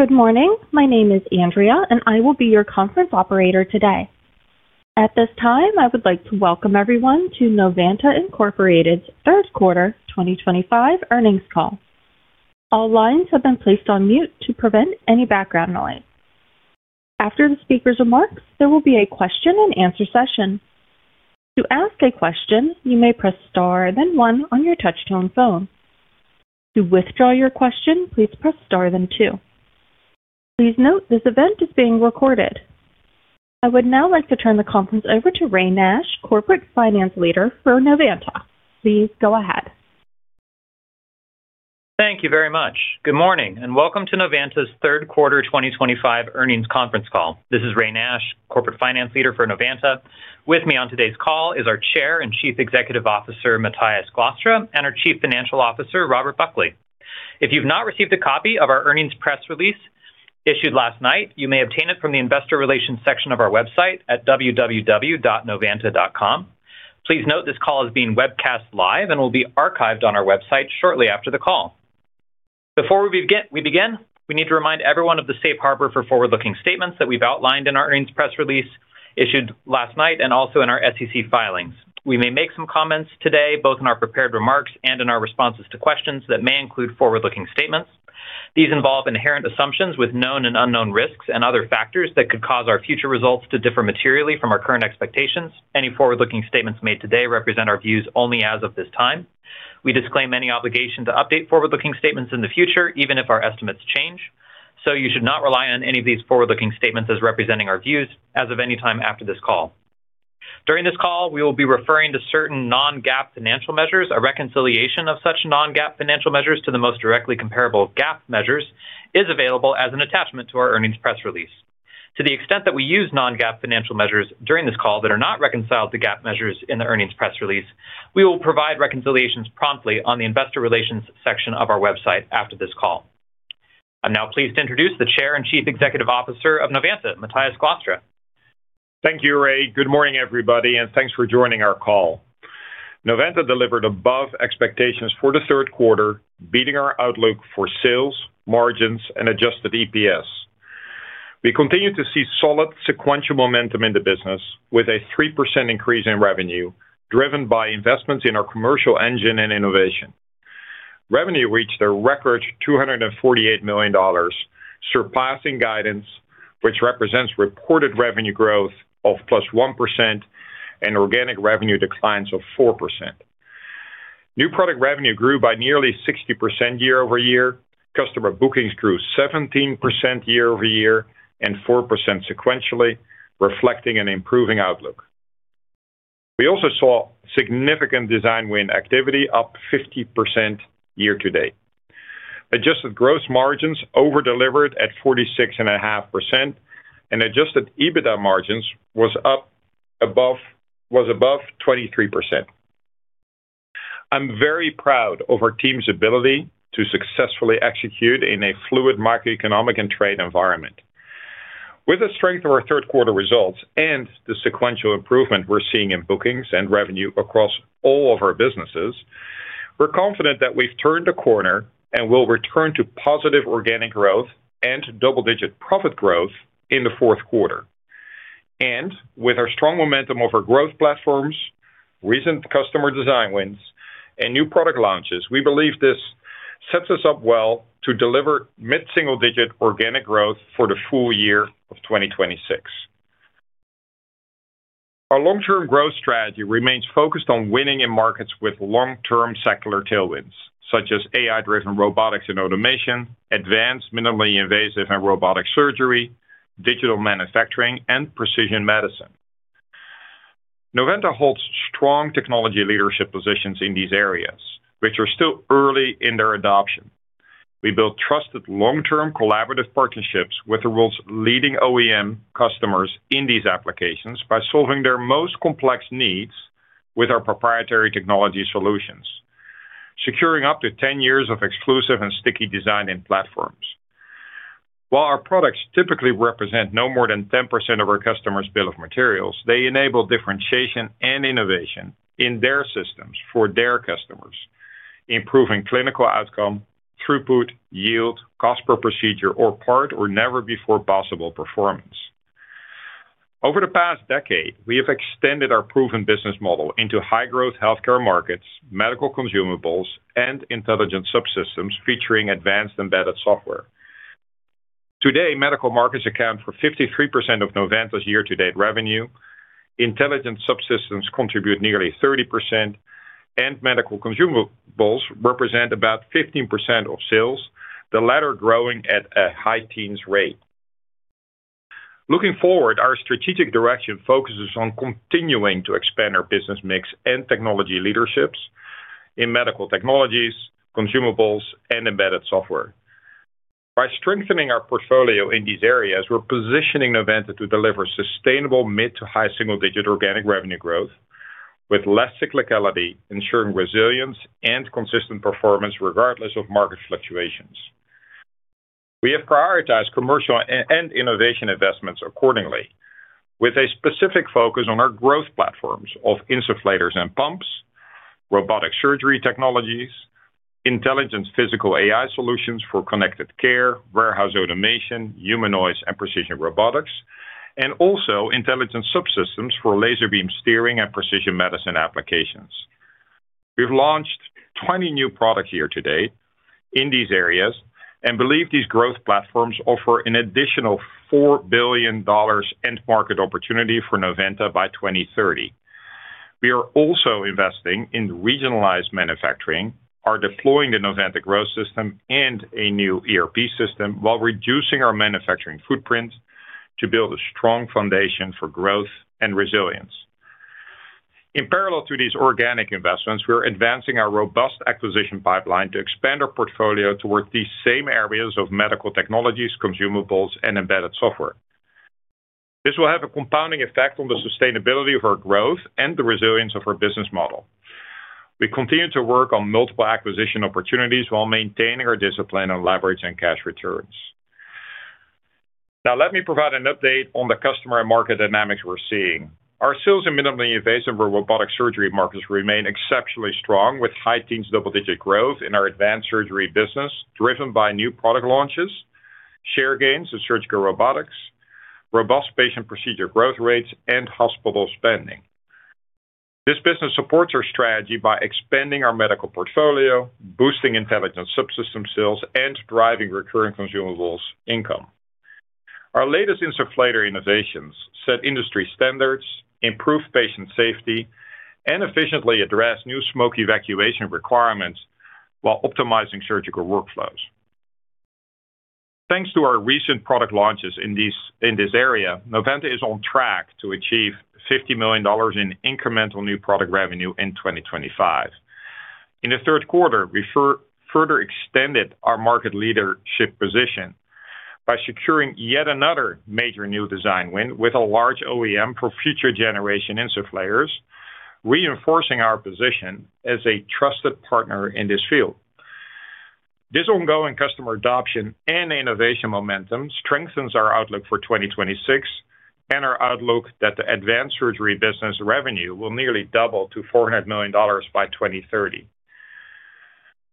Good morning. My name is Andrea, and I will be your conference operator today. At this time, I would like to welcome everyone to Novanta Incorporated's third quarter 2025 earnings call. All lines have been placed on mute to prevent any background noise. After the speaker's remarks, there will be a question-and-answer session. To ask a question, you may press star then one on your touch-tone phone. To withdraw your question, please press star then two. Please note this event is being recorded. I would now like to turn the conference over to Ray Nash, Corporate Finance Leader for Novanta. Please go ahead. Thank you very much. Good morning and welcome to Novanta's third quarter 2025 earnings conference call. This is Ray Nash, Corporate Finance Leader for Novanta. With me on today's call is our Chair and Chief Executive Officer, Matthijs Glastra, and our Chief Financial Officer, Robert Buckley. If you've not received a copy of our earnings press release issued last night, you may obtain it from the Investor Relations section of our website at www.novanta.com. Please note this call is being webcast live and will be archived on our website shortly after the call. Before we begin, we need to remind everyone of the safe harbor for forward-looking statements that we've outlined in our earnings press release issued last night and also in our SEC filings. We may make some comments today, both in our prepared remarks and in our responses to questions that may include forward-looking statements. These involve inherent assumptions with known and unknown risks and other factors that could cause our future results to differ materially from our current expectations. Any forward-looking statements made today represent our views only as of this time. We disclaim any obligation to update forward-looking statements in the future, even if our estimates change. You should not rely on any of these forward-looking statements as representing our views as of any time after this call. During this call, we will be referring to certain non-GAAP financial measures. A reconciliation of such non-GAAP financial measures to the most directly comparable GAAP measures is available as an attachment to our earnings press release. To the extent that we use non-GAAP financial measures during this call that are not reconciled to GAAP measures in the earnings press release, we will provide reconciliations promptly on the Investor Relations section of our website after this call. I'm now pleased to introduce the Chair and Chief Executive Officer of Novanta, Matthijs Glastra. Thank you, Ray. Good morning, everybody, and thanks for joining our call. Novanta delivered above expectations for the third quarter, beating our outlook for sales, margins, and adjusted EPS. We continue to see solid sequential momentum in the business with a 3% increase in revenue driven by investments in our commercial engine and innovation. Revenue reached a record $248 million, surpassing guidance, which represents reported revenue growth of +1% and organic revenue declines of 4%. New product revenue grew by nearly 60% year-over-year. Customer bookings grew 17% year-over-year and 4% sequentially, reflecting an improving outlook. We also saw significant design win activity, up 50% year-to-date. Adjusted gross margins over-delivered at 46.5%, and adjusted EBITDA margins was above 23%. I'm very proud of our team's ability to successfully execute in a fluid macroeconomic and trade environment. With the strength of our third quarter results and the sequential improvement we're seeing in bookings and revenue across all of our businesses, we're confident that we've turned the corner and will return to positive organic growth and double-digit profit growth in the fourth quarter. With our strong momentum of our growth platforms, recent customer design wins, and new product launches, we believe this sets us up well to deliver mid-single-digit organic growth for the full year of 2026. Our long-term growth strategy remains focused on winning in markets with long-term secular tailwinds such as AI-driven robotics and automation, advanced minimally invasive and robotic surgery, digital manufacturing, and precision medicine. Novanta holds strong technology leadership positions in these areas, which are still early in their adoption. We build trusted long-term collaborative partnerships with the world's leading OEM customers in these applications by solving their most complex needs with our proprietary technology solutions, securing up to 10 years of exclusive and sticky design and platforms. While our products typically represent no more than 10% of our customers' bill of materials, they enable differentiation and innovation in their systems for their customers, improving clinical outcome, throughput, yield, cost per procedure or part, or never-before-possible performance. Over the past decade, we have extended our proven business model into high-growth healthcare markets, medical consumables, and intelligent subsystems featuring advanced embedded software. Today, medical markets account for 53% of Novanta's year-to-date revenue. Intelligent subsystems contribute nearly 30%, and medical consumables represent about 15% of sales, the latter growing at a high-teens rate. Looking forward, our strategic direction focuses on continuing to expand our business mix and technology leaderships in medical technologies, consumables, and embedded software. By strengthening our portfolio in these areas, we're positioning Novanta to deliver sustainable mid-to-high single-digit organic revenue growth with less cyclicality, ensuring resilience and consistent performance regardless of market fluctuations. We have prioritized commercial and innovation investments accordingly, with a specific focus on our growth platforms of insufflators and pumps, robotic surgery technologies, intelligent physical AI solutions for connected care, warehouse automation, humanoids, and precision robotics, and also intelligent subsystems for laser beam steering and precision medicine applications. We've launched 20 new products year-to-date in these areas and believe these growth platforms offer an additional $4 billion end market opportunity for Novanta by 2030. We are also investing in regionalized manufacturing, are deploying the Novanta growth system and a new ERP system while reducing our manufacturing footprint to build a strong foundation for growth and resilience. In parallel to these organic investments, we are advancing our robust acquisition pipeline to expand our portfolio toward these same areas of medical technologies, consumables, and embedded software. This will have a compounding effect on the sustainability of our growth and the resilience of our business model. We continue to work on multiple acquisition opportunities while maintaining our discipline on leverage and cash returns. Now, let me provide an update on the customer and market dynamics we're seeing. Our sales and minimally invasive robotic surgery markets remain exceptionally strong with high-teens double-digit growth in our advanced surgery business driven by new product launches, share gains in surgical robotics, robust patient procedure growth rates, and hospital spending. This business supports our strategy by expanding our medical portfolio, boosting intelligent subsystem sales, and driving recurring consumables income. Our latest insufflator innovations set industry standards, improve patient safety, and efficiently address new smoke evacuation requirements while optimizing surgical workflows. Thanks to our recent product launches in this area, Novanta is on track to achieve $50 million in incremental new product revenue in 2025. In the third quarter, we further extended our market leadership position by securing yet another major new design win with a large OEM for future generation insufflators, reinforcing our position as a trusted partner in this field. This ongoing customer adoption and innovation momentum strengthens our outlook for 2026 and our outlook that the advanced surgery business revenue will nearly double to $400 million by 2030.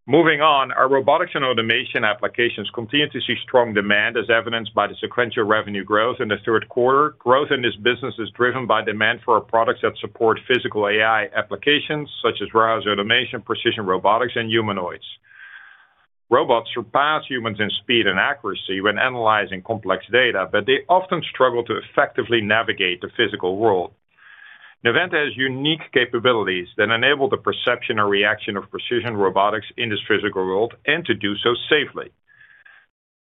Moving on, our robotics and automation applications continue to see strong demand, as evidenced by the sequential revenue growth in the third quarter. Growth in this business is driven by demand for our products that support physical AI applications such as robotics automation, precision robotics, and humanoids. Robots surpass humans in speed and accuracy when analyzing complex data, but they often struggle to effectively navigate the physical world. Novanta has unique capabilities that enable the perception or reaction of precision robotics in this physical world and to do so safely.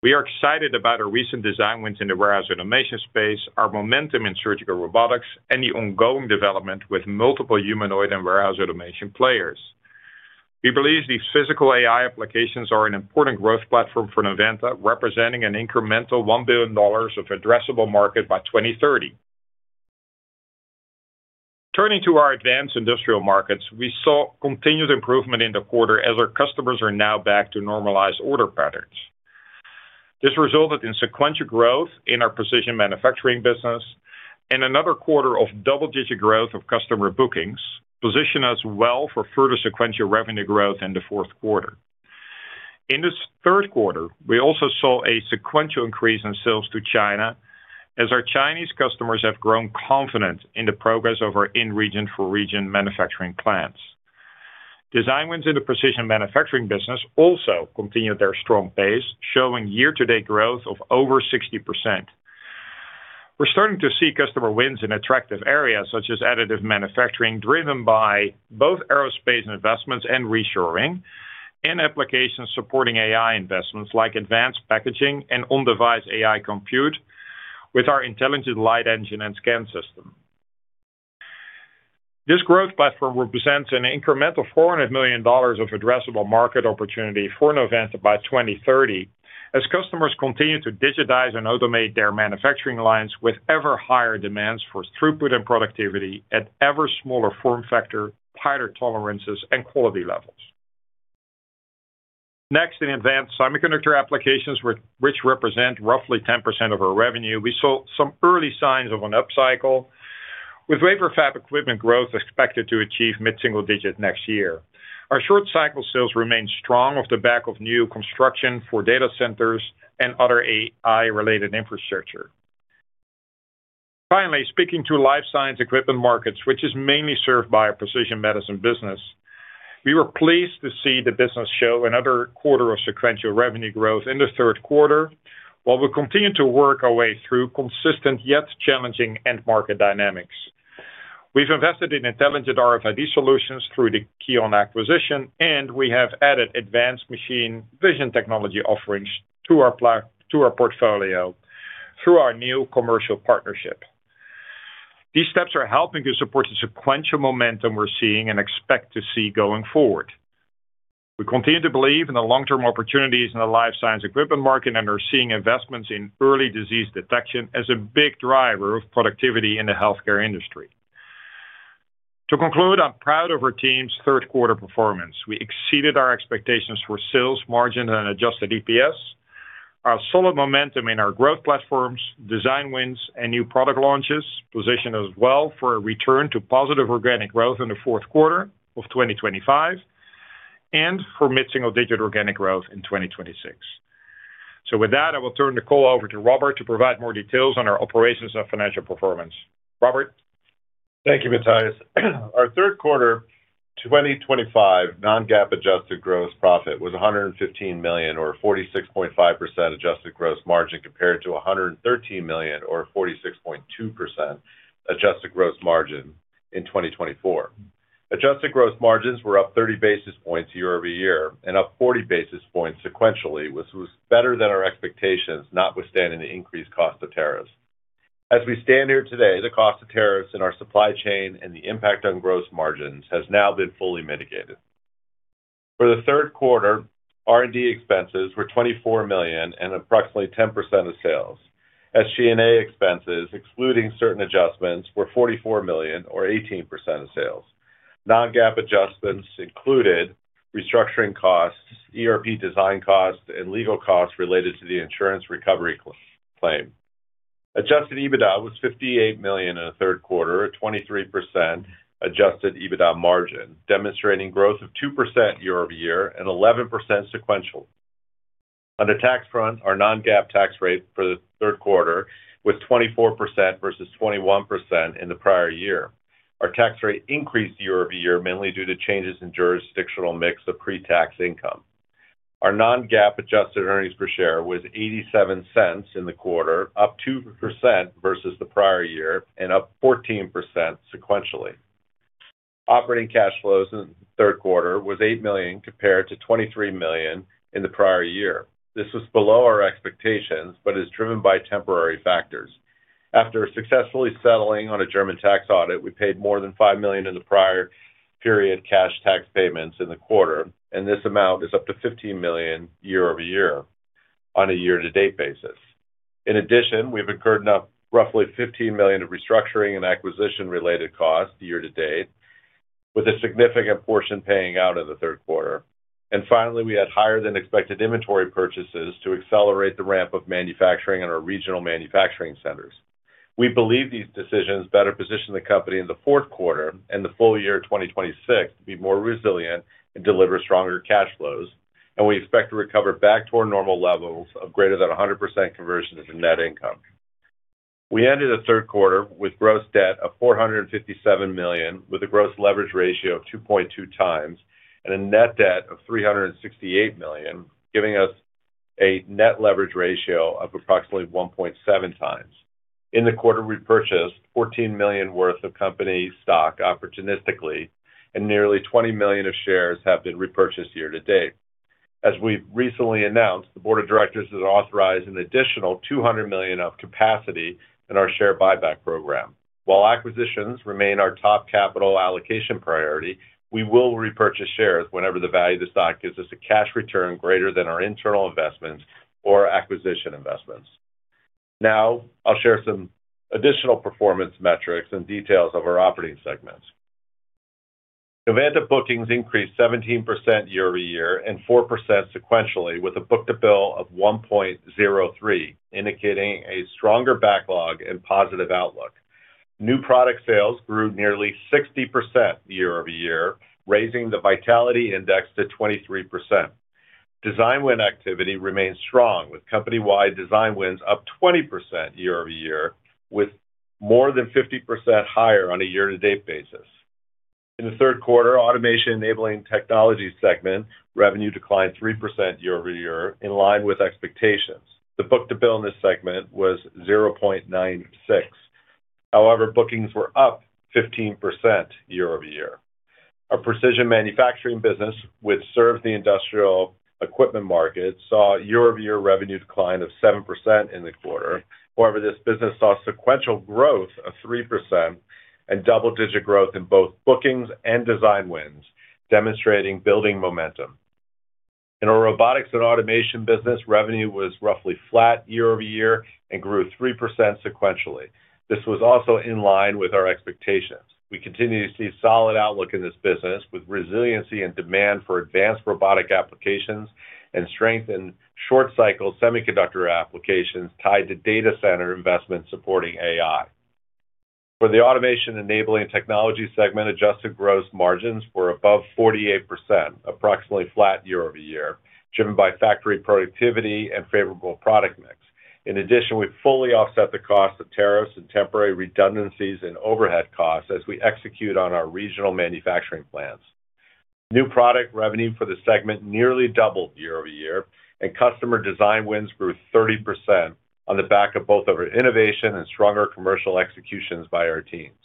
We are excited about our recent design wins in the warehouse automation space, our momentum in surgical robotics, and the ongoing development with multiple humanoid and warehouse automation players. We believe these physical AI applications are an important growth platform for Novanta, representing an incremental $1 billion of addressable market by 2030. Turning to our advanced industrial markets, we saw continued improvement in the quarter as our customers are now back to normalized order patterns. This resulted in sequential growth in our precision manufacturing business and another quarter of double-digit growth of customer bookings positioned us well for further sequential revenue growth in the fourth quarter. In this third quarter, we also saw a sequential increase in sales to China as our Chinese customers have grown confident in the progress of our in-region for region manufacturing plants. Design wins in the precision manufacturing business also continued their strong pace, showing year-to-date growth of over 60%. We're starting to see customer wins in attractive areas such as additive manufacturing driven by both aerospace investments and reshoring and applications supporting AI investments like advanced packaging and on-device AI compute with our intelligent light engine and scan system. This growth platform represents an incremental $400 million of addressable market opportunity for Novanta by 2030 as customers continue to digitize and automate their manufacturing lines with ever-higher demands for throughput and productivity at ever smaller form factor, tighter tolerances, and quality levels. Next, in advanced semiconductor applications, which represent roughly 10% of our revenue, we saw some early signs of an upcycle with wafer fab equipment growth expected to achieve mid-single digit next year. Our short-cycle sales remain strong off the back of new construction for data centers and other AI-related infrastructure. Finally, speaking to life science equipment markets, which is mainly served by our precision medicine business. We were pleased to see the business show another quarter of sequential revenue growth in the third quarter while we continue to work our way through consistent yet challenging end market dynamics. We've invested in intelligent RFID solutions through the Keonn acquisition, and we have added advanced machine vision technology offerings to our portfolio through our new commercial partnership. These steps are helping to support the sequential momentum we're seeing and expect to see going forward. We continue to believe in the long-term opportunities in the life science equipment market and are seeing investments in early disease detection as a big driver of productivity in the healthcare industry. To conclude, I'm proud of our team's third-quarter performance. We exceeded our expectations for sales, margin, and adjusted EPS. Our solid momentum in our growth platforms, design wins, and new product launches positioned us well for a return to positive organic growth in the fourth quarter of 2025 and for mid-single digit organic growth in 2026. With that, I will turn the call over to Robert to provide more details on our operations and financial performance. Robert. Thank you, Matthias. Our third quarter 2025 non-GAAP adjusted gross profit was $115 million, or 46.5% adjusted gross margin, compared to $113 million, or 46.2% adjusted gross margin in 2024. Adjusted gross margins were up 30 basis points year-over-year and up 40 basis points sequentially, which was better than our expectations, notwithstanding the increased cost of tariffs. As we stand here today, the cost of tariffs in our supply chain and the impact on gross margins has now been fully mitigated. For the third quarter, R&D expenses were $24 million and approximately 10% of sales, as SG&A expenses, excluding certain adjustments, were $44 million, or 18% of sales. Non-GAAP adjustments included restructuring costs, ERP design costs, and legal costs related to the insurance recovery claim. Adjusted EBITDA was $58 million in the third quarter, a 23% adjusted EBITDA margin, demonstrating growth of 2% year-over-year and 11% sequentially. On the tax front, our non-GAAP tax rate for the third quarter was 24% versus 21% in the prior year. Our tax rate increased year-over-year mainly due to changes in jurisdictional mix of pre-tax income. Our non-GAAP adjusted earnings per share was $0.87 in the quarter, up 2% versus the prior year and up 14% sequentially. Operating cash flows in the third quarter was $8 million compared to $23 million in the prior year. This was below our expectations but is driven by temporary factors. After successfully settling a German tax audit, we paid more than $5 million in prior period cash tax payments in the quarter, and this amount is up $15 million year-over-year on a year-to-date basis. In addition, we've incurred roughly $15 million of restructuring and acquisition-related costs year-to-date, with a significant portion paying out in the third quarter. Finally, we had higher-than-expected inventory purchases to accelerate the ramp of manufacturing in our regional manufacturing centers. We believe these decisions better position the company in the fourth quarter and the full year 2026 to be more resilient and deliver stronger cash flows, and we expect to recover back to our normal levels of greater than 100% conversion to net income. We ended the third quarter with gross debt of $457 million, with a gross leverage ratio of 2.2x and a net debt of $368 million, giving us a net leverage ratio of approximately 1.7x. In the quarter, we purchased $14 million worth of company stock opportunistically, and nearly $20 million of shares have been repurchased year-to-date. As we've recently announced, the board of directors has authorized an additional $200 million of capacity in our share buyback program. While acquisitions remain our top capital allocation priority, we will repurchase shares whenever the value of the stock gives us a cash return greater than our internal investments or acquisition investments. Now, I'll share some additional performance metrics and details of our operating segments. Novanta bookings increased 17% year-over-year and 4% sequentially, with a book-to-bill of 1.03, indicating a stronger backlog and positive outlook. New product sales grew nearly 60% year-over-year, raising the vitality index to 23%. Design win activity remains strong, with company-wide design wins up 20% year-over-year, with more than 50% higher on a year-to-date basis. In the third quarter, automation-enabling technology segment revenue declined 3% year-over-year, in line with expectations. The book-to-bill in this segment was 0.96. However, bookings were up 15% year-over-year. Our precision manufacturing business, which serves the industrial equipment market, saw year-over-year revenue decline of 7% in the quarter. However, this business saw sequential growth of 3% and double-digit growth in both bookings and design wins, demonstrating building momentum. In our robotics and automation business, revenue was roughly flat year-over-year and grew 3% sequentially. This was also in line with our expectations. We continue to see solid outlook in this business, with resiliency and demand for advanced robotic applications and strength in short-cycle semiconductor applications tied to data center investments supporting AI. For the automation-enabling technology segment, adjusted gross margins were above 48%, approximately flat year-over-year, driven by factory productivity and favorable product mix. In addition, we fully offset the cost of tariffs and temporary redundancies and overhead costs as we execute on our regional manufacturing plans. New product revenue for the segment nearly doubled year-over-year, and customer design wins grew 30% on the back of both of our innovation and stronger commercial executions by our teams.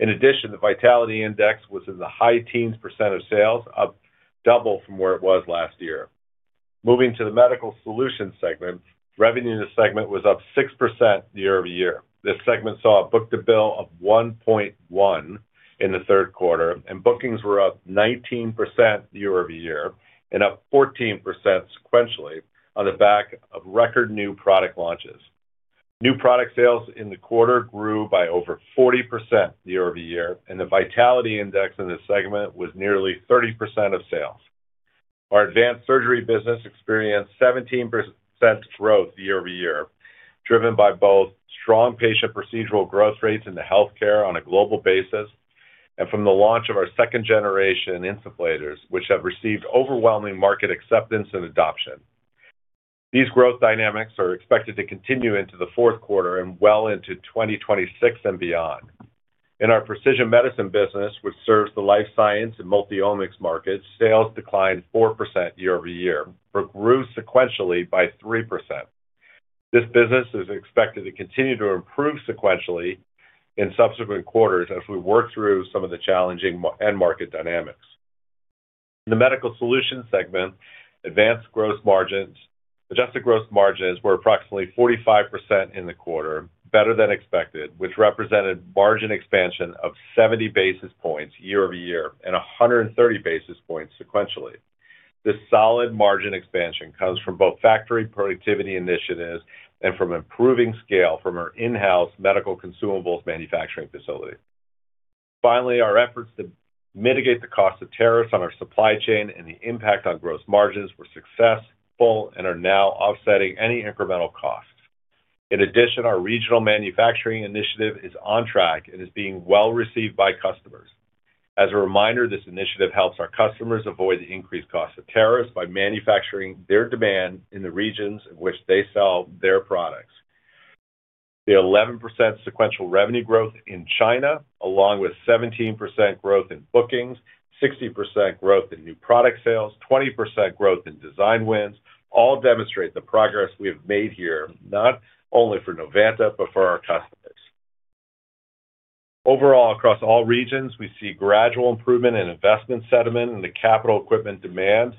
In addition, the vitality index was in the high-teens percent of sales, up double from where it was last year. Moving to the medical solutions segment, revenue in the segment was up 6% year-over-year. This segment saw a book-to-bill of 1.1 in the third quarter, and bookings were up 19% year-over-year and up 14% sequentially on the back of record new product launches. New product sales in the quarter grew by over 40% year-over-year, and the vitality index in this segment was nearly 30% of sales. Our advanced surgery business experienced 17% growth year-over-year, driven by both strong patient procedural growth rates in the healthcare on a global basis and from the launch of our second-generation insulators, which have received overwhelming market acceptance and adoption. These growth dynamics are expected to continue into the fourth quarter and well into 2026 and beyond. In our precision medicine business, which serves the life science and multi-omics markets, sales declined 4% year-over-year, but grew sequentially by 3%. This business is expected to continue to improve sequentially in subsequent quarters as we work through some of the challenging end market dynamics. In the medical solutions segment, adjusted gross margins were approximately 45% in the quarter, better than expected, which represented margin expansion of 70 basis points year-over-year and 130 basis points sequentially. This solid margin expansion comes from both factory productivity initiatives and from improving scale from our in-house medical consumables manufacturing facility. Finally, our efforts to mitigate the cost of tariffs on our supply chain and the impact on gross margins were successful and are now offsetting any incremental costs. In addition, our regional manufacturing initiative is on track and is being well received by customers. As a reminder, this initiative helps our customers avoid the increased cost of tariffs by manufacturing their demand in the regions in which they sell their products. The 11% sequential revenue growth in China, along with 17% growth in bookings, 60% growth in new product sales, and 20% growth in design wins, all demonstrate the progress we have made here, not only for Novanta but for our customers. Overall, across all regions, we see gradual improvement in investment sentiment and the capital equipment demand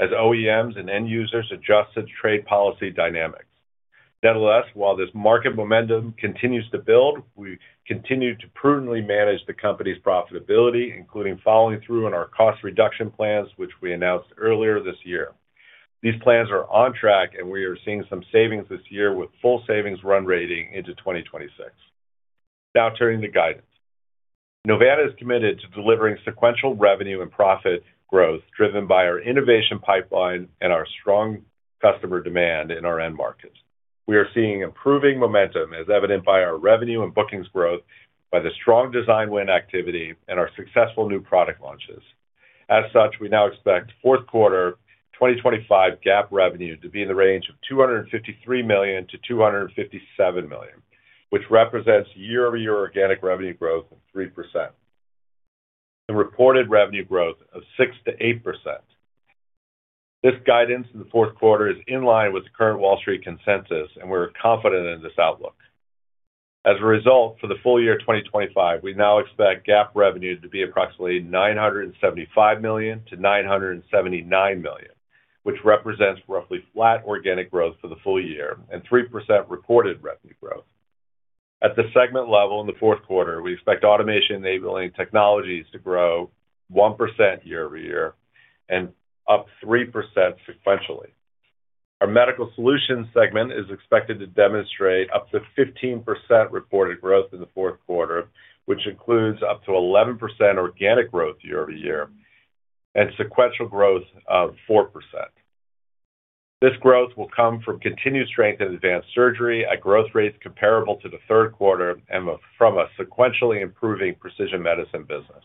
as OEMs and end users adjusted trade policy dynamics. Nonetheless, while this market momentum continues to build, we continue to prudently manage the company's profitability, including following through on our cost reduction plans, which we announced earlier this year. These plans are on track, and we are seeing some savings this year with full savings run rating into 2026. Now, turning to guidance. Novanta is committed to delivering sequential revenue and profit growth driven by our innovation pipeline and our strong customer demand in our end markets. We are seeing improving momentum, as evident by our revenue and bookings growth, by the strong design win activity, and our successful new product launches. As such, we now expect fourth quarter 2025 GAAP revenue to be in the range of $253 million-$257 million, which represents year-over-year organic revenue growth of 3% and reported revenue growth of 6%-8%. This guidance in the fourth quarter is in line with the current Wall Street consensus, and we're confident in this outlook. As a result, for the full year 2025, we now expect GAAP revenue to be approximately $975 million-$979 million, which represents roughly flat organic growth for the full year and 3% reported revenue growth. At the segment level in the fourth quarter, we expect automation-enabling technologies to grow 1% year-over-year and up 3% sequentially. Our medical solutions segment is expected to demonstrate up to 15% reported growth in the fourth quarter, which includes up to 11% organic growth year-over-year and sequential growth of 4%. This growth will come from continued strength in advanced surgery at growth rates comparable to the third quarter and from a sequentially improving precision medicine business.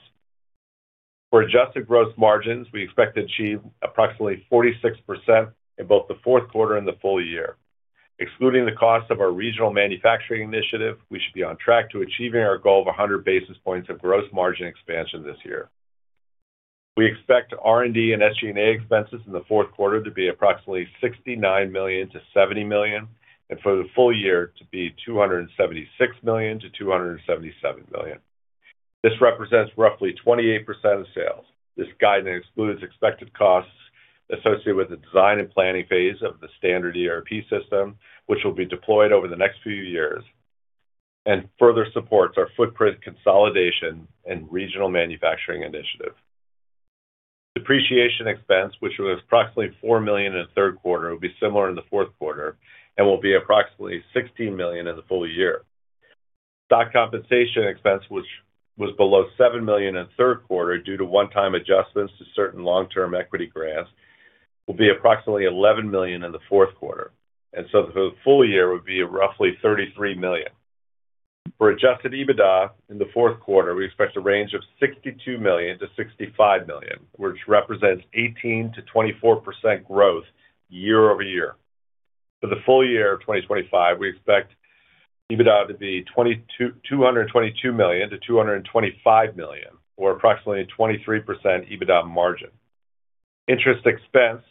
For adjusted gross margins, we expect to achieve approximately 46% in both the fourth quarter and the full year. Excluding the cost of our regional manufacturing initiative, we should be on track to achieving our goal of 100 basis points of gross margin expansion this year. We expect R&D and SG&A expenses in the fourth quarter to be approximately $69 million-$70 million, and for the full year to be $276 million-$277 million. This represents roughly 28% of sales. This guidance excludes expected costs associated with the design and planning phase of the standard ERP system, which will be deployed over the next few years and further supports our footprint consolidation and regional manufacturing initiative. Depreciation expense, which was approximately $4 million in the third quarter, will be similar in the fourth quarter and will be approximately $16 million in the full year. Stock compensation expense, which was below $7 million in the third quarter due to one-time adjustments to certain long-term equity grants, will be approximately $11 million in the fourth quarter and so for the full year, it would be roughly $33 million. For adjusted EBITDA in the fourth quarter, we expect a range of $62 million-$65 million, which represents 18%-24% growth year-over-year. For the full year of 2025, we expect EBITDA to be $222 million-$225 million, or approximately 23% EBITDA margin. Interest expense,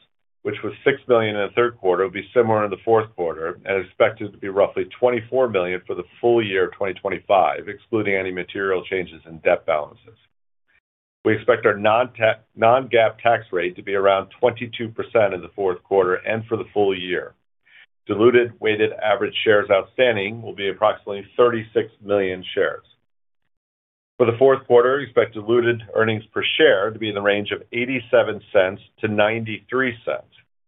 which was $6 million in the third quarter, will be similar in the fourth quarter and expected to be roughly $24 million for the full year of 2025, excluding any material changes in debt balances. We expect our non-GAAP tax rate to be around 22% in the fourth quarter and for the full year. Diluted weighted average shares outstanding will be approximately 36 million shares. For the fourth quarter, we expect diluted earnings per share to be in the range of $0.87-$0.93,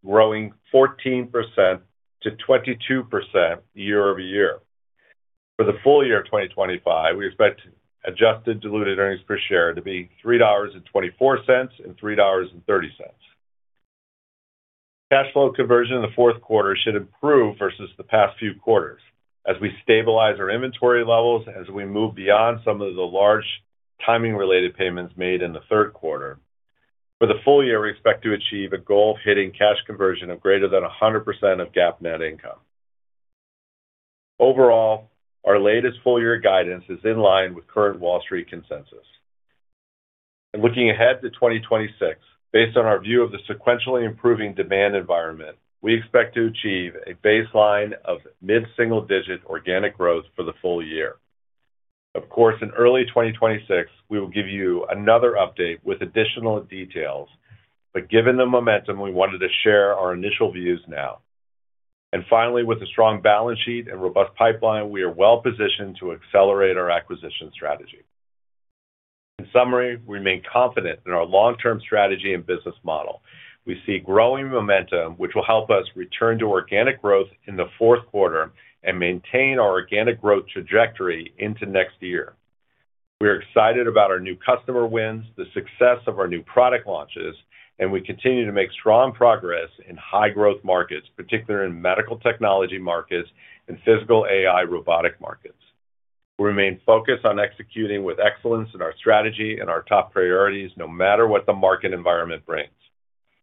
growing 14%-22% year-over-year. For the full year of 2025, we expect adjusted diluted earnings per share to be $3.24-$3.30. Cash flow conversion in the fourth quarter should improve versus the past few quarters as we stabilize our inventory levels, as we move beyond some of the large timing-related payments made in the third quarter. For the full year, we expect to achieve a goal of hitting cash conversion of greater than 100% of GAAP net income. Overall, our latest full-year guidance is in line with current Wall Street consensus. Looking ahead to 2026, based on our view of the sequentially improving demand environment, we expect to achieve a baseline of mid-single-digit organic growth for the full year. Of course, in early 2026, we will give you another update with additional details, but given the momentum, we wanted to share our initial views now. Finally, with a strong balance sheet and robust pipeline, we are well positioned to accelerate our acquisition strategy. In summary, we remain confident in our long-term strategy and business model. We see growing momentum, which will help us return to organic growth in the fourth quarter and maintain our organic growth trajectory into next year. We are excited about our new customer wins, the success of our new product launches, and we continue to make strong progress in high-growth markets, particularly in medical technology markets and physical AI robotic markets. We remain focused on executing with excellence in our strategy and our top priorities, no matter what the market environment brings.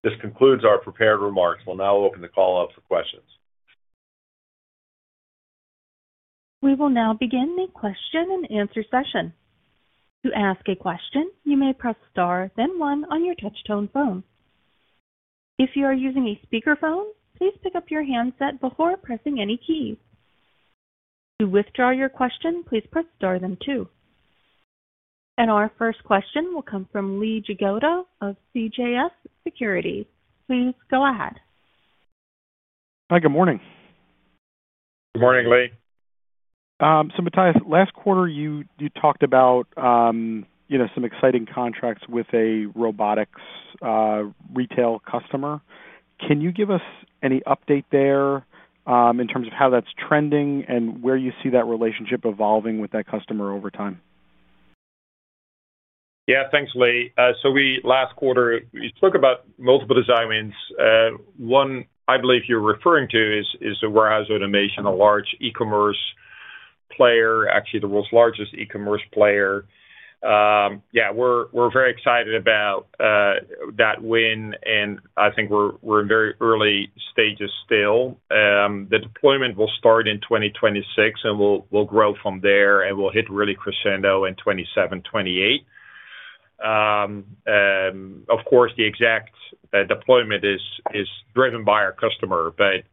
This concludes our prepared remarks. We'll now open the call up for questions. We will now begin the question-and-answer session. To ask a question, you may press star then one on your touch-tone phone. If you are using a speakerphone, please pick up your handset before pressing any key. To withdraw your question, please press star then two. Our first question will come from Lee Jagoda of CJS Securities. Please go ahead. Hi. Good morning. Good morning, Lee. Matthias, last quarter, you talked about some exciting contracts with a robotics retail customer. Can you give us any update there in terms of how that's trending and where you see that relationship evolving with that customer over time? Yeah. Thanks, Lee. Last quarter, we spoke about multiple design wins. One, I believe you're referring to, is the warehouse automation, a large e-commerce player, actually the world's largest e-commerce player. Yeah. We're very excited about that win, and I think we're in very early stages still. The deployment will start in 2026, and we'll grow from there, and we'll hit really crescendo in 2027, 2028. Of course, the exact deployment is driven by our customer, but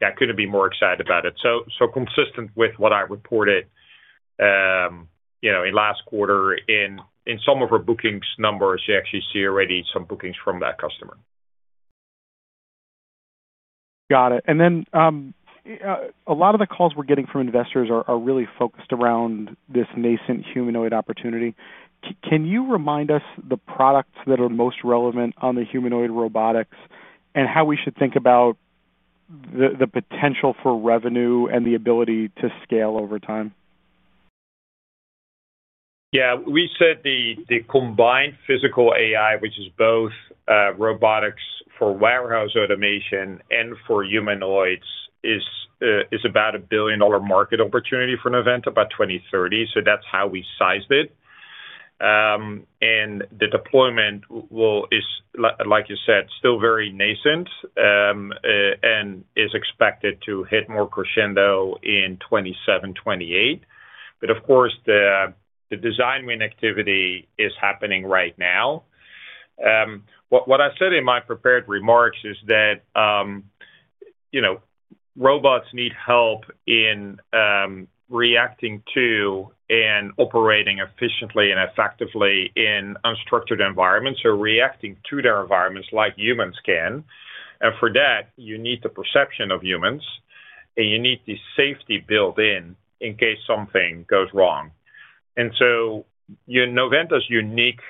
yeah, I couldn't be more excited about it. Consistent with what I reported in last quarter, in some of our bookings numbers, you actually see already some bookings from that customer. Got it. A lot of the calls we're getting from investors are really focused around this nascent humanoid opportunity. Can you remind us the products that are most relevant on the humanoid robotics and how we should think about the potential for revenue and the ability to scale over time? Yeah. We said the combined physical AI, which is both robotics for warehouse automation and for humanoids, is about a $1 billion market opportunity for Novanta by 2030. That's how we sized it. The deployment is, like you said, still very nascent and is expected to hit more crescendo in 2027, 2028. Of course, the design win activity is happening right now. What I said in my prepared remarks is that robots need help in reacting to and operating efficiently and effectively in unstructured environments, or reacting to their environments like humans can. For that, you need the perception of humans, and you need the safety built in in case something goes wrong. Novanta's unique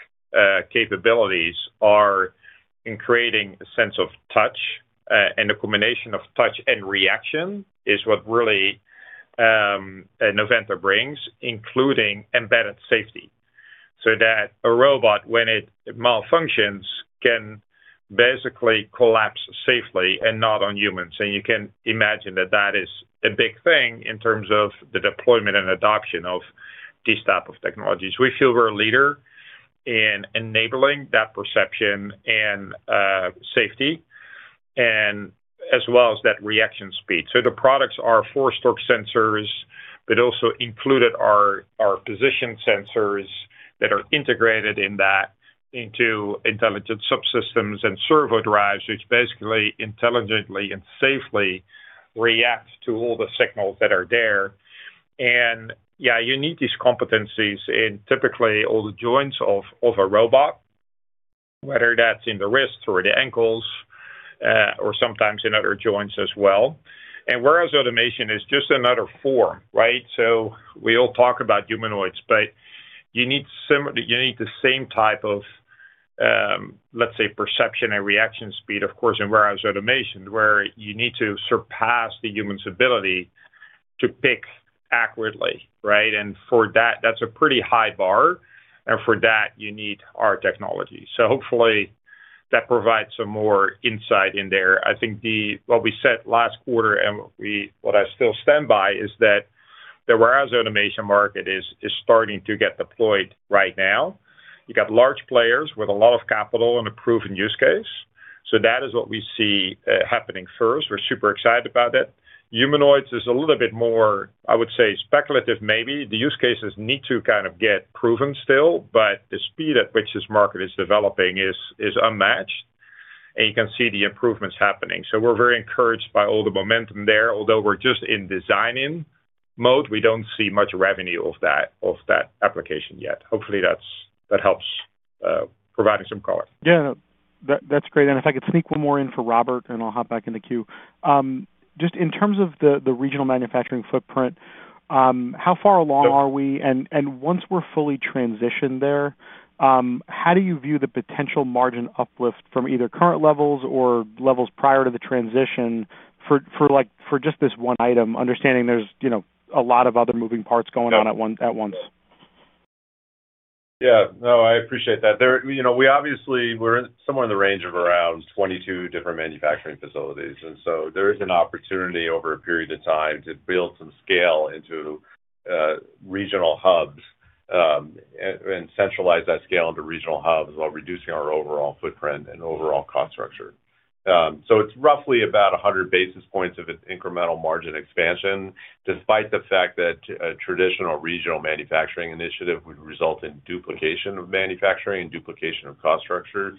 capabilities are in creating a sense of touch, and the combination of touch and reaction is what really Novanta brings, including embedded safety so that a robot, when it malfunctions, can basically collapse safely and not on humans. You can imagine that that is a big thing in terms of the deployment and adoption of these types of technologies. We feel we're a leader in enabling that perception and safety, as well as that reaction speed. So the products are force torque sensors, but also included are position sensors that are integrated into intelligent subsystems and servo drives, which basically intelligently and safely react to all the signals that are there. Yeah, you need these competencies in typically all the joints of a robot. Whether that's in the wrists or the ankles or sometimes in other joints as well. Warehouse automation is just another form, right? So we all talk about humanoids, but you need the same type of, let's say, perception and reaction speed, of course, in warehouse automation, where you need to surpass the human's ability to pick accurately, right? For that, that's a pretty high bar. For that, you need our technology. So hopefully, that provides some more insight in there. I think what we said last quarter and what I still stand by is that the warehouse automation market is starting to get deployed right now. You got large players with a lot of capital and a proven use case. So that is what we see happening first. We're super excited about it. Humanoids is a little bit more, I would say, speculative maybe. The use cases need to kind of get proven still, but the speed at which this market is developing is unmatched, and you can see the improvements happening. So we're very encouraged by all the momentum there. Although we're just in designing mode, we don't see much revenue of that application yet. Hopefully, that helps. Provide some color. Yeah. That's great. If I could sneak one more in for Robert, and I'll hop back in the queue. Just in terms of the regional manufacturing footprint. How far along are we? Once we're fully transitioned there, how do you view the potential margin uplift from either current levels or levels prior to the transition for just this one item, understanding there's a lot of other moving parts going on at once? Yeah. No, I appreciate that. We obviously were somewhere in the range of around 22 different manufacturing facilities. So there is an opportunity over a period of time to build some scale into regional hubs and centralize that scale into regional hubs while reducing our overall footprint and overall cost structure. So it's roughly about 100 basis points of incremental margin expansion, despite the fact that a traditional regional manufacturing initiative would result in duplication of manufacturing and duplication of cost structure.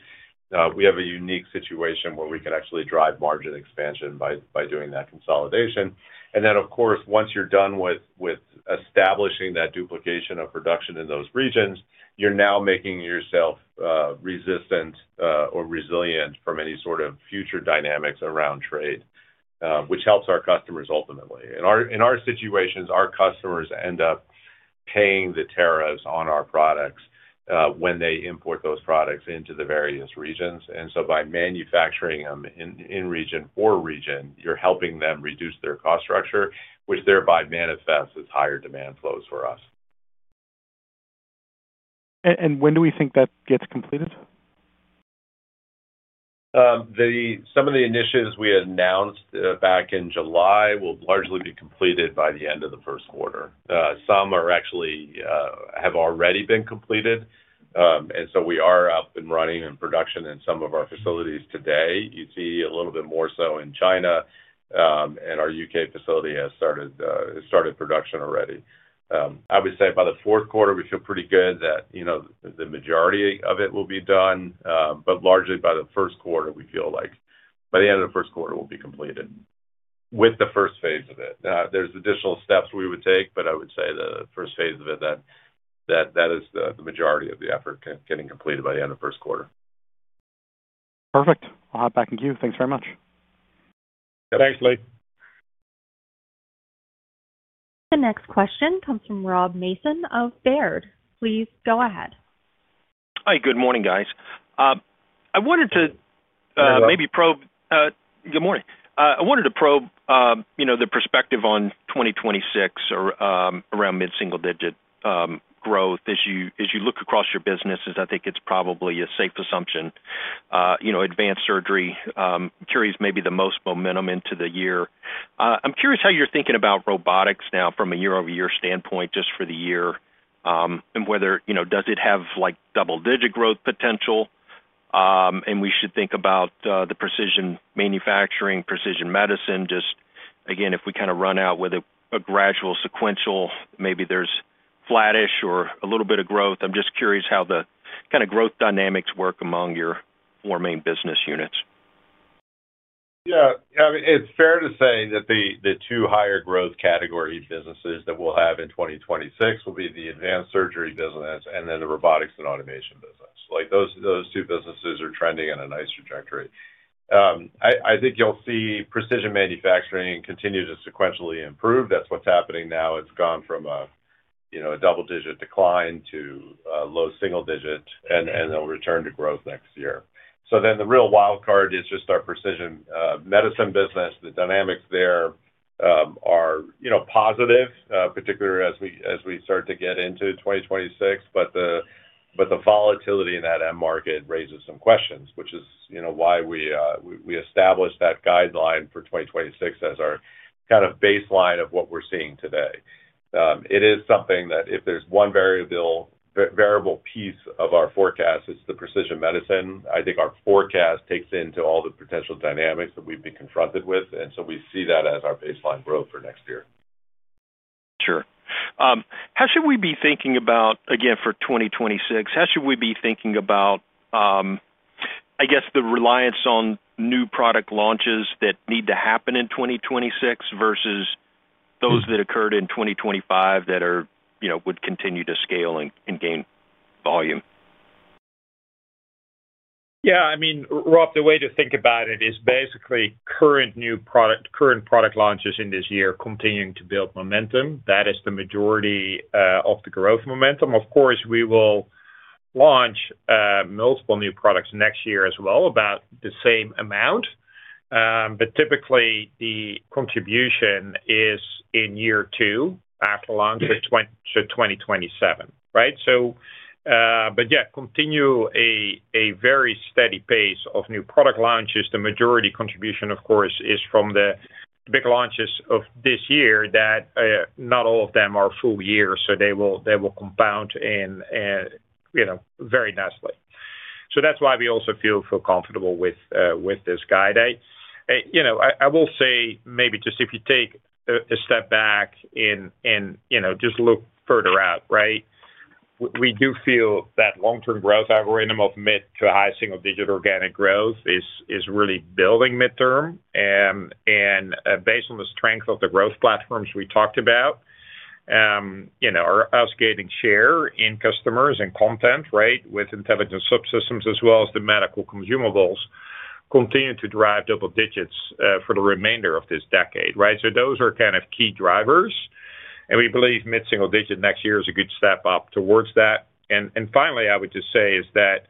We have a unique situation where we can actually drive margin expansion by doing that consolidation. Then, of course, once you're done with establishing that duplication of production in those regions, you're now making yourself resistant or resilient from any sort of future dynamics around trade, which helps our customers ultimately. In our situations, our customers end up paying the tariffs on our products when they import those products into the various regions. So by manufacturing them in region for region, you're helping them reduce their cost structure, which thereby manifests as higher demand flows for us. When do we think that gets completed? Some of the initiatives we announced back in July will largely be completed by the end of the first quarter. Some actually have already been completed. So we are up and running in production in some of our facilities today. You see a little bit more so in China. Our U.K. facility has started production already. I would say by the fourth quarter, we feel pretty good that the majority of it will be done, but largely by the first quarter, we feel like by the end of the first quarter, it will be completed with the first phase of it. There's additional steps we would take, but I would say the first phase of it, that is the majority of the effort getting completed by the end of the first quarter. Perfect. I'll hop back in queue. Thanks very much. Thanks, Lee. The next question comes from Rob Mason of Baird. Please go ahead. Hi. Good morning, guys. I wanted to maybe probe, good morning. I wanted to probe the perspective on 2026 or around mid-single-digit growth. As you look across your businesses, I think it's probably a safe assumption. Advanced surgery carries maybe the most momentum into the year. I'm curious how you're thinking about robotics now from a year-over-year standpoint, just for the year, and whether does it have double-digit growth potential. We should think about the precision manufacturing, precision medicine. Just again, if we kind of run out with a gradual sequential, maybe there's flattish or a little bit of growth. I'm just curious how the kind of growth dynamics work among your four main business units. Yeah. It's fair to say that the two higher growth category businesses that we'll have in 2026 will be the advanced surgery business and then the robotics and automation business. Those two businesses are trending on a nice trajectory. I think you'll see precision manufacturing continue to sequentially improve. That's what's happening now. It's gone from a double-digit decline to low single-digit, and they'll return to growth next year. So then the real wild card is just our precision medicine business. The dynamics there are positive, particularly as we start to get into 2026, but the volatility in that end market raises some questions, which is why we established that guideline for 2026 as our kind of baseline of what we're seeing today. It is something that if there's one variable piece of our forecast, it's the precision medicine. I think our forecast takes into all the potential dynamics that we've been confronted with. We see that as our baseline growth for next year. Sure. How should we be thinking about, again, for 2026? How should we be thinking about, I guess, the reliance on new product launches that need to happen in 2026 versus those that occurred in 2025 that would continue to scale and gain volume? Yeah. I mean, Rob, the way to think about it is basically current product launches in this year continuing to build momentum. That is the majority of the growth momentum. Of course, we will launch multiple new products next year as well, about the same amount. Typically, the contribution is in year two after launch to 2027, right? Yeah, continue a very steady pace of new product launches. The majority contribution, of course, is from the big launches of this year that not all of them are full years, so they will compound in very nicely. That is why we also feel so comfortable with this guide. I will say maybe just if you take a step back and just look further out, right? We do feel that long-term growth algorithm of mid to high single-digit organic growth is really building midterm. Based on the strength of the growth platforms we talked about, our outstanding share in customers and content, right, with intelligent subsystems as well as the medical consumables continue to drive double digits for the remainder of this decade, right? Those are kind of key drivers. We believe mid-single-digit next year is a good step up towards that. Finally, I would just say that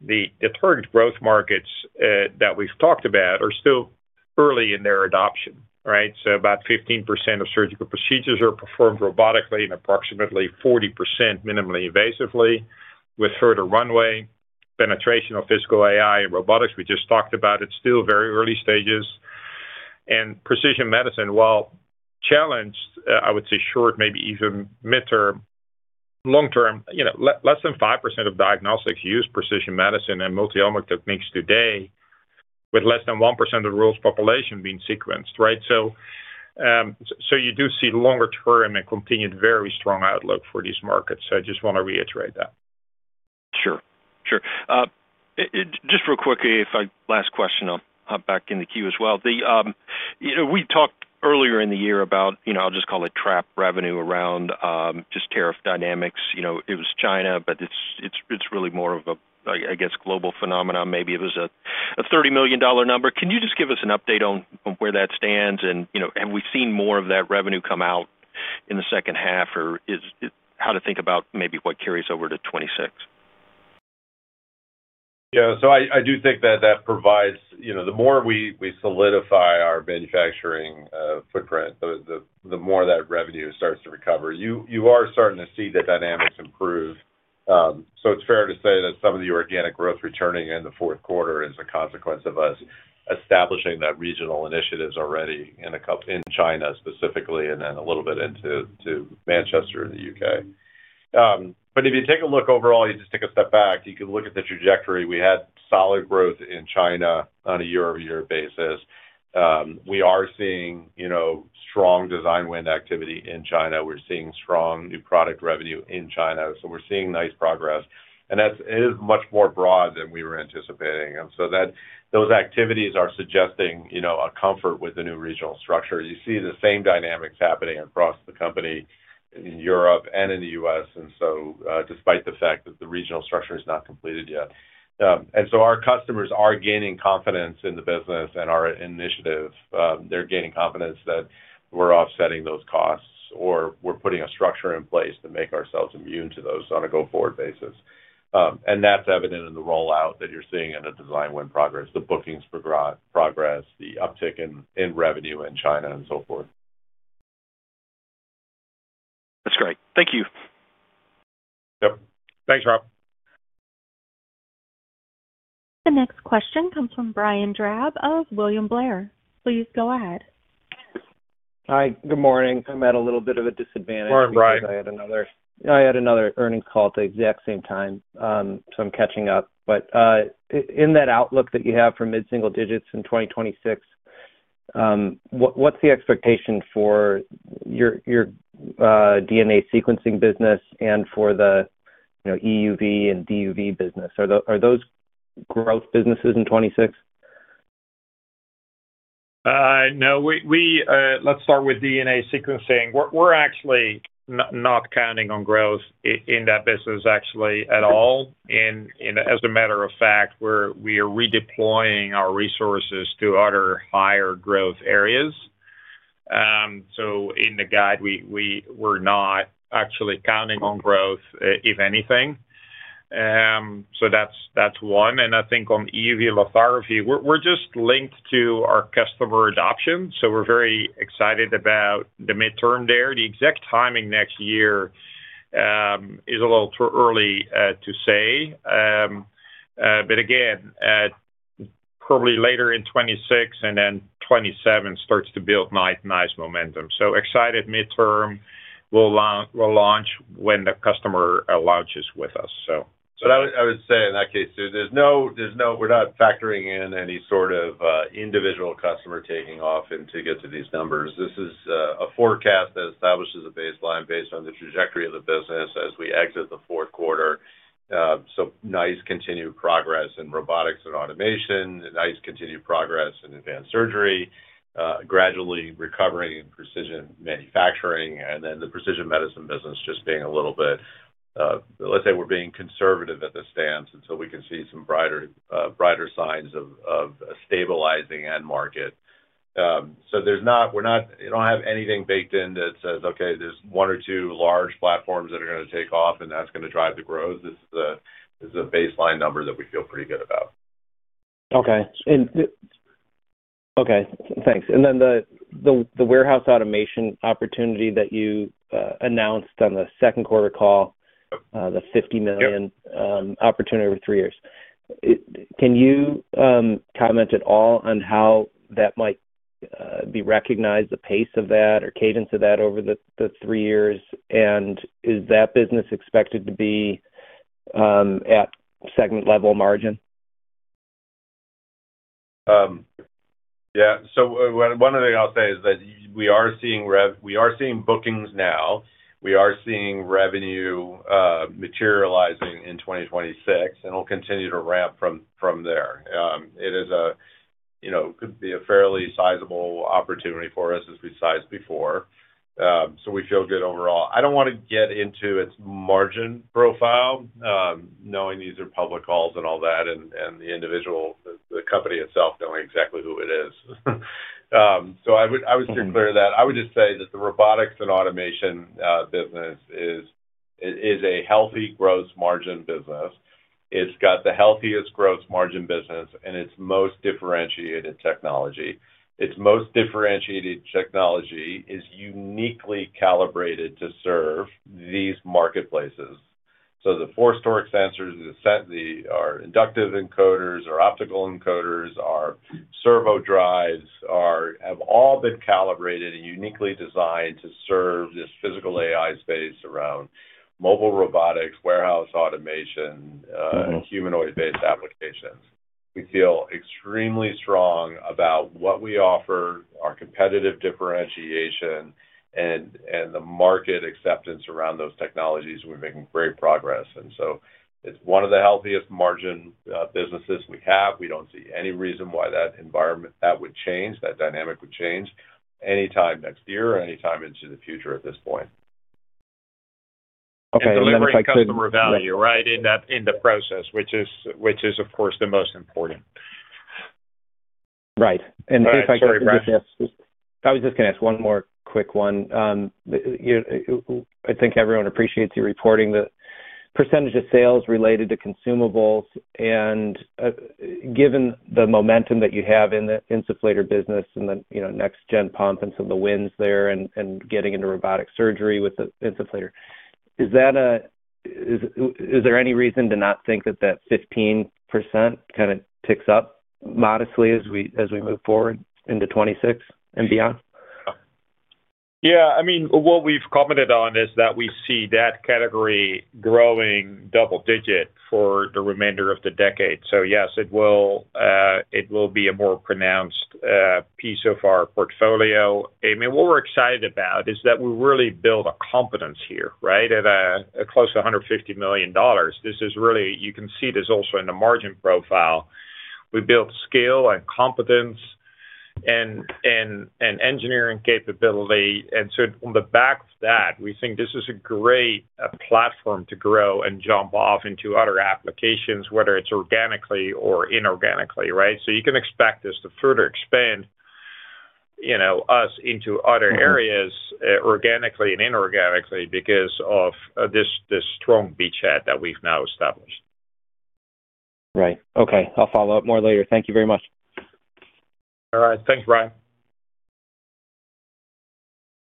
the current growth markets that we've talked about are still early in their adoption, right? About 15% of surgical procedures are performed robotically and approximately 40% minimally invasively with further runway, penetration of physical AI and robotics. We just talked about it. Still very early stages. Precision medicine, while challenged, I would say short, maybe even midterm, long-term, less than 5% of diagnostics use precision medicine and multi-omic techniques today, with less than 1% of the world's population being sequenced, right? You do see longer-term and continued very strong outlook for these markets. I just want to reiterate that. Sure. Sure. Just real quickly, last question, I'll hop back in the queue as well. We talked earlier in the year about, I'll just call it, trap revenue around just tariff dynamics. It was China, but it's really more of a, I guess, global phenomenon. Maybe it was a $30 million number. Can you just give us an update on where that stands? Have we seen more of that revenue come out in the second half, or how to think about maybe what carries over to 2026? Yeah. I do think that that provides the more we solidify our manufacturing footprint, the more that revenue starts to recover. You are starting to see the dynamics improve. It's fair to say that some of the organic growth returning in the fourth quarter is a consequence of us establishing that regional initiatives already in China specifically and then a little bit into Manchester in the U.K. If you take a look overall, you just take a step back, you can look at the trajectory. We had solid growth in China on a year-over-year basis. We are seeing strong design win activity in China. We're seeing strong new product revenue in China. We're seeing nice progress. It is much more broad than we were anticipating. Those activities are suggesting a comfort with the new regional structure. You see the same dynamics happening across the company in Europe and in the U.S., and so despite the fact that the regional structure is not completed yet. Our customers are gaining confidence in the business and our initiative. They're gaining confidence that we're offsetting those costs or we're putting a structure in place to make ourselves immune to those on a go-forward basis. That's evident in the rollout that you're seeing in the design win progress, the bookings progress, the uptick in revenue in China, and so forth. That's great. Thank you. Yep. Thanks, Rob. The next question comes from Brian Drab of William Blair. Please go ahead. Hi. Good morning. I'm at a little bit of a disadvantage. Morning, Brian. I had another earnings call at the exact same time, so I'm catching up. In that outlook that you have for mid-single digits in 2026. What's the expectation for your DNA sequencing business and for the EUV and DUV business? Are those growth businesses in 2026? Let's start with DNA sequencing. We're actually not counting on growth in that business, actually, at all. As a matter of fact, we are redeploying our resources to other higher growth areas. In the guide, we're not actually counting on growth, if anything. That's one. I think on EUV, Lathara, we're just linked to our customer adoption. We're very excited about the midterm there. The exact timing next year is a little too early to say. Again. Probably later in 2026 and then 2027 starts to build nice momentum. Excited midterm. We'll launch when the customer launches with us. I would say in that case, there's no, we're not factoring in any sort of individual customer taking off to get to these numbers. This is a forecast that establishes a baseline based on the trajectory of the business as we exit the fourth quarter. Nice continued progress in robotics and automation, nice continued progress in advanced surgery, gradually recovering in precision manufacturing, and then the precision medicine business just being a little bit— Let's say we're being conservative at this stance until we can see some brighter signs of a stabilizing end market. We don't have anything baked in that says, "Okay, there's one or two large platforms that are going to take off, and that's going to drive the growth." This is a baseline number that we feel pretty good about. Okay. Okay. Thanks. And then the warehouse automation opportunity that you announced on the second quarter call. The $50 million opportunity over three years. Can you comment at all on how that might be recognized, the pace of that or cadence of that over the three years? And is that business expected to be at segment-level margin? Yeah. One of the things I'll say is that we are seeing bookings now. We are seeing revenue materializing in 2026, and we'll continue to ramp from there. It is a fairly sizable opportunity for us as we sized before. We feel good overall. I don't want to get into its margin profile. Knowing these are public calls and all that, and the company itself knowing exactly who it is. I would steer clear of that. I would just say that the robotics and automation business is a healthy growth margin business. It's got the healthiest growth margin business, and it's most differentiated technology. Its most differentiated technology is uniquely calibrated to serve these marketplaces. The force sensors, our inductive encoders, our optical encoders, our servo drives have all been calibrated and uniquely designed to serve this physical AI space around mobile robotics, warehouse automation, humanoid-based applications. We feel extremely strong about what we offer, our competitive differentiation, and the market acceptance around those technologies. We're making great progress. It's one of the healthiest margin businesses we have. We don't see any reason why that environment, that dynamic would change anytime next year or anytime into the future at this point. And delivering customer value, right, in the process, which is, of course, the most important. Right. And if I could, I was just going to ask one more quick one. I think everyone appreciates your reporting the percentage of sales related to consumables. And given the momentum that you have in the insufflator business and the next-gen pump and some of the wins there and getting into robotic surgery with the insufflator, is there any reason to not think that that 15% kind of ticks up modestly as we move forward into 2026 and beyond? Yeah. I mean, what we've commented on is that we see that category growing double-digit for the remainder of the decade. Yes, it will be a more pronounced piece of our portfolio. I mean, what we're excited about is that we really build a competence here, right, at close to $150 million. You can see this also in the margin profile. We built skill and competence and engineering capability. On the back of that, we think this is a great platform to grow and jump off into other applications, whether it's organically or inorganically, right? You can expect us to further expand us into other areas organically and inorganically because of this strong beachhead that we've now established. Right. Okay. I'll follow up more later. Thank you very much. All right. Thanks, Brian.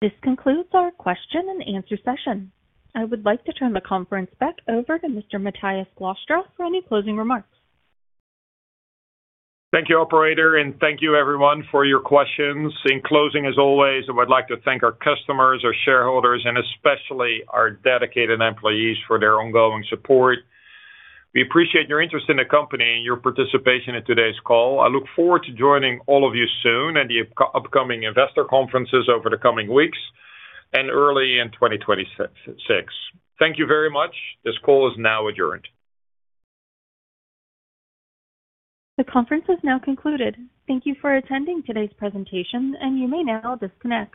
This concludes our question-and-answer session. I would like to turn the conference back over to Mr. Matthias Glastra for any closing remarks. Thank you, Operator, and thank you, everyone, for your questions. In closing, as always, I would like to thank our customers, our shareholders, and especially our dedicated employees for their ongoing support. We appreciate your interest in the company and your participation in today's call. I look forward to joining all of you soon at the upcoming investor conferences over the coming weeks and early in 2026. Thank you very much. This call is now adjourned. The conference is now concluded. Thank you for attending today's presentation, and you may now disconnect.